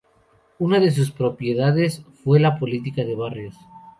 Una de sus prioridades fue la política de barrios.